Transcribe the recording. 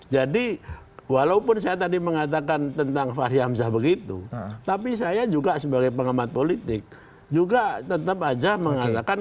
jadi walaupun saya tadi mengatakan tentang fahri hamzah begitu tapi saya juga sebagai pengamat politik juga tetap aja mengatakan